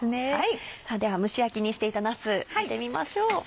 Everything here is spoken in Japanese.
さぁでは蒸し焼きにしていたなす見てみましょう。